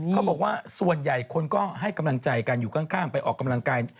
เขาบอกว่าส่วนใหญ่คนก็ให้กำลังใจกันอยู่ข้างไปออกกำลังกาย